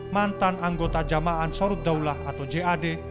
mantan anggota jamaahan sorut daulah atau jad